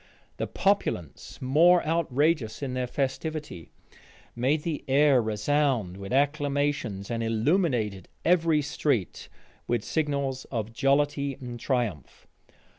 The populace more outrageous in their festivity, made the air resound with acclamations, and illuminated every street with signals of jollity and triumph.